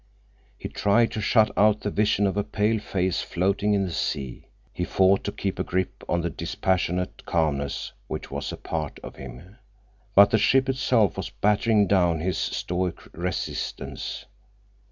He tried to shut out the vision of a pale face floating in the sea; he fought to keep a grip on the dispassionate calmness which was a part of him. But the ship itself was battering down his stoic resistance.